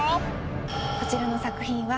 こちらの作品は。